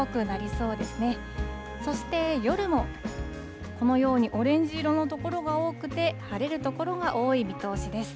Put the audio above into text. そして夜も、このようにオレンジ色の所が多くて、晴れる所が多い見通しです。